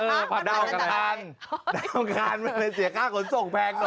มันผัดมาจากอะไรดาวงานดาวงานมันเลยเสียค่าขนส่งแพง